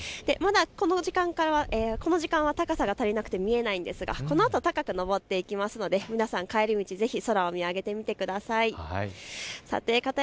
まだこの時間は高さが足りなくて見えないんですがこのあと高く昇っていきますので皆さん帰り道、ぜひ空を見上げてみてください。